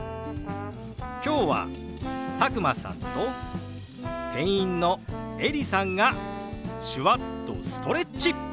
今日は佐久間さんと店員のエリさんが手話っとストレッチ！